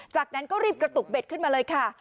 จากนั้นก็รีบกระตุกเบ็ดขึ้นมาเลยค่ะ